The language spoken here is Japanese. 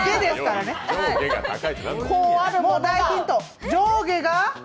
大ヒント、上下が？